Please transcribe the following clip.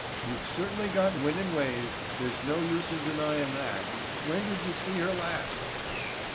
You've certainly got winnin' ways. There's no use in denyin' that. When'd you see her last?"